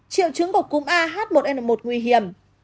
triều chứng của cúm ah một n một nguy hiểm